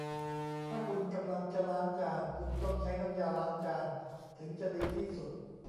ถ้าคุณกำลังจะล้างจาน คุณต้องใช้น้ำยาล้างจานถึงจะดีที่สุด